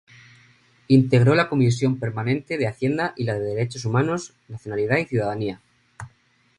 Integró la Comisión Permanente de Hacienda y la de Derechos Humanos, Nacionalidad y Ciudadanía.